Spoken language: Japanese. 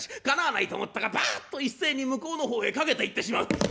かなわないと思ったかバッと一斉に向こうの方へ駆けていってしまう。